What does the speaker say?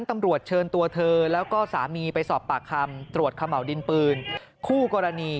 เมาดินปืนคู่กรณี